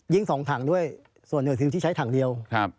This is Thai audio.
ยิ่ง๒ถังด้วยส่วนเหนือซิวที่ใช้ถังเดียว